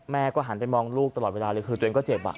แม่ก็หันไปมองลูกตลอดเวลาเลยคือตัวเองก็เจ็บ